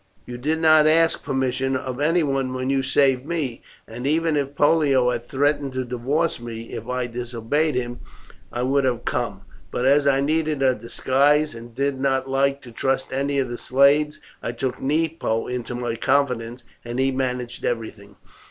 You did not ask permission of anyone when you saved me, and even if Pollio had threatened to divorce me if I disobeyed him I would have come; but as I needed a disguise, and did not like to trust any of the slaves, I took Nepo into my confidence, and he managed everything."